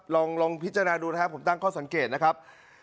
ลองพิจารณาดูนะครับผมตั้งข้อสังเกตนะครับ